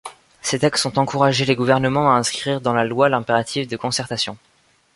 Ces textes ont encouragé les gouvernements à inscrire dans la loi l’impératif de concertation.